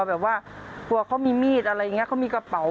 แบบว่าเขามีเมียมีกระเป๋า